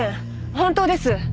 本当です！